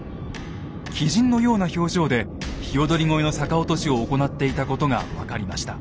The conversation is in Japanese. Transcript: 鬼神のような表情で鵯越の逆落としを行っていたことが分かりました。